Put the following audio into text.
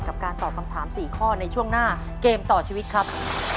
กับการตอบคำถาม๔ข้อในช่วงหน้าเกมต่อชีวิตครับ